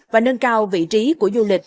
và nâng cao vị trí của du lịch